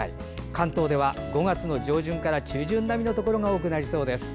関東では５月上旬から中旬並みのところが多くなりそうです。